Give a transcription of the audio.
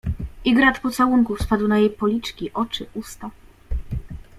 "I grad pocałunków spadł na jej policzki, oczy, usta..."